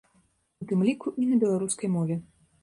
У тым ліку і на беларускай мове.